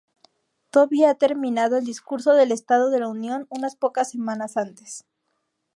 Toby ha terminado el discurso del estado de la unión unas pocas semanas antes.